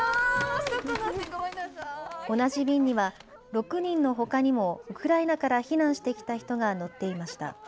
同じ便には６人のほかにもウクライナから避難してきた人が乗っていました。